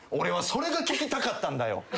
それが聞きたかったんだよ。